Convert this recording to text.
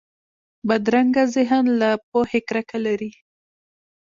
بدرنګه ذهن له پوهې کرکه لري